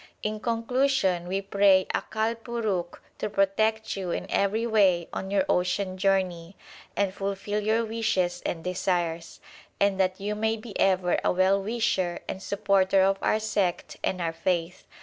In conclusion we pray Akal Purukh to protect you in every way on your ocean journey, and fulfil your wishes and desires ; and that you may be ever a well wisher and supporter of our sect and our faith.